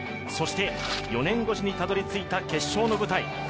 そして４年越しにたどりついた決勝の舞台。